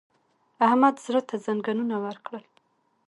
احمد زړه ته زنګنونه ورکړل!